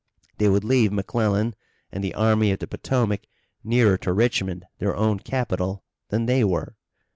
They would leave McClellan and the Army of the Potomac nearer to Richmond, their own capital, than they were.